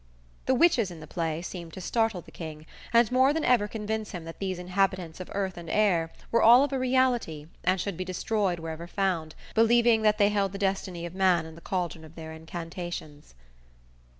The witches in the play seemed to startle the King, and more than ever convince him that these inhabitants of earth and air were all of a reality, and should be destroyed wherever found, believing that they held the destiny of man in the caldron of their incantations.